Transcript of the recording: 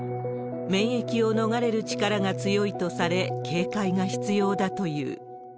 免疫を逃れる力が強いとされ、警戒が必要だという。